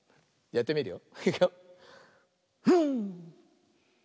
やってみるよ。